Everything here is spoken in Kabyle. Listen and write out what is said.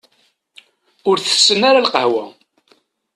Ur tessen ara lqahwa.